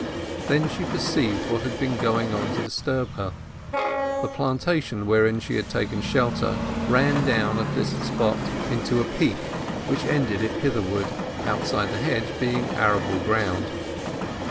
Then she perceived what had been going on to disturb her. The plantation wherein she had taken shelter ran down at this spot into a peak, which ended it hitherward, outside the hedge being arable ground.